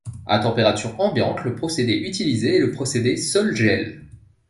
À température ambiante, le procédé utilisé est le procédé sol-gel.